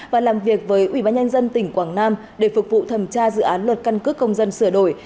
và làm việc với ủy ban nhân dân tỉnh quảng nam để phục vụ thẩm tra dự án luật căn cước công dân sửa đổi